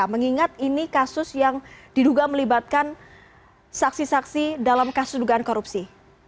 mengingat ini kasus yang diduga melibatkan saksi saksi dalam kasus dugaan korupsi